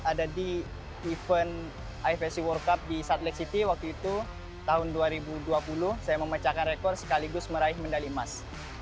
ada di event ifsc world cup di satlake city waktu itu tahun dua ribu dua puluh saya memecahkan rekor sekaligus meraih medali emas